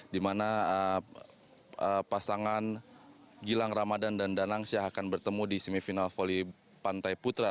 di mana pasangan gilang ramadan dan danang syah akan bertemu di semifinal voli pantai putra